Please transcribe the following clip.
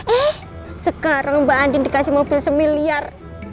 eh sekarang mbak andin dikasih mobil semiliar